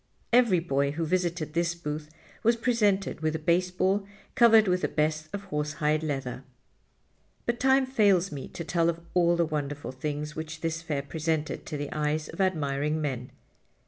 Every boy who visited this booth was presented with a baseball covered with the best of horsehide leather. But time fails me to tell of all the wonderful things which this Fair presented to the eyes of admiring men.